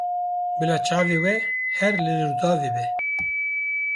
Bila çavê we her li Rûdawê be.